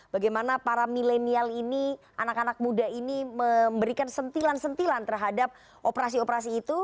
bagaimana para milenial ini anak anak muda ini memberikan sentilan sentilan terhadap operasi operasi itu